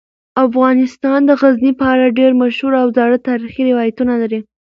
افغانستان د غزني په اړه ډیر مشهور او زاړه تاریخی روایتونه لري.